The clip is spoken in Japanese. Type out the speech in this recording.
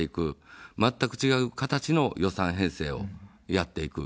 全く違う形の予算編成をやっていく。